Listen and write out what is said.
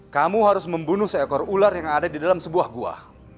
kamu harus membunuh seekor ular yang ada di dalam sebuah gua